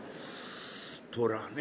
虎ね。